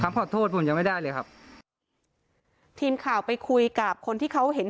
ขอโทษผมยังไม่ได้เลยครับทีมข่าวไปคุยกับคนที่เขาเห็น